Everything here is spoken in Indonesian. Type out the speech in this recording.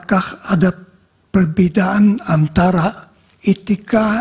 saya masih berada di indonesia